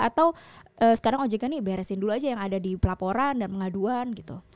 atau sekarang ojk ini beresin dulu saja yang ada di pelaporan dan pengaduan